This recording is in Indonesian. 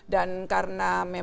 dan karena memang